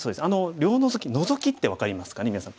両ノゾキノゾキって分かりますかねみなさん。